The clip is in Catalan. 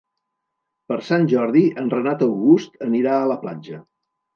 Per Sant Jordi en Renat August anirà a la platja.